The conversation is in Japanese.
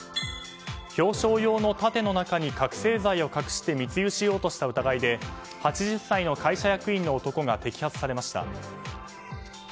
表彰用の盾の中に覚醒剤を隠して密輸しようとした疑いで８０歳の会社役員の男が摘発されました。